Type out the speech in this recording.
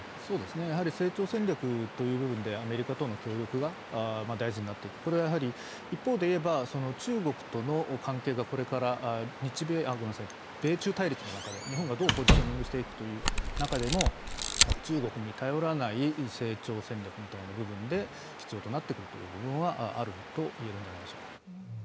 やはり成長戦略という面で、アメリカとの協力が大事になっていく、これは一方でいえば、中国との関係がこれから米中対立の中で、日本がどうポジショニングしていくという中でもやはり中国に頼らない成長戦略みたいな部分で必要になっているということはあるといえるんじゃないでしょうか。